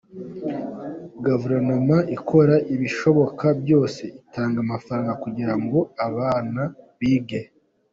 Guverinoma ikora ibishoboka byose, itanga amafaranga kugira ngo abana bige.